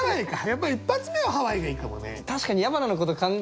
やっぱり１発目はハワイがいいかもね。